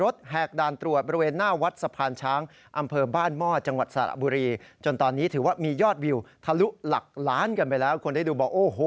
ได้ดูบอกโอ้โหมันจริงนะครับ